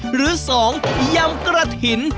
หรือ๒ยำกระถิ่น